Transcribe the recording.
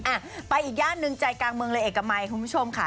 อ่ะไปอีกย่านหนึ่งใจกลางเมืองเลยเอกมัยคุณผู้ชมค่ะ